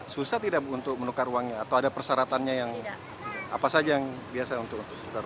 susah tidak untuk menukar uangnya atau ada persyaratannya yang apa saja yang biasa untuk